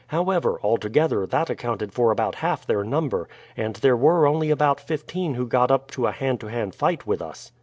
However, altogether, that accounted for about half their number, and there were only about fifteen who got up to a hand to hand fight with us.